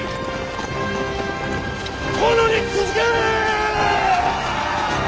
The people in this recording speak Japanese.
殿に続け！